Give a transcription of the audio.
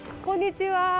こんにちは。